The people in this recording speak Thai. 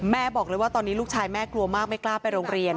บอกเลยว่าตอนนี้ลูกชายแม่กลัวมากไม่กล้าไปโรงเรียน